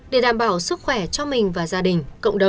để đảm bảo sức khỏe cho mình và gia đình